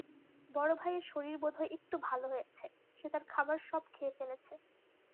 বড়ভাইয়ের শরীর বোধহয় একটু ভালো হয়েছে, সে তার খাবার সব খেয়ে ফেলেছে।